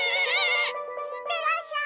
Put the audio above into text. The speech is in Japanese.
いってらっしゃい！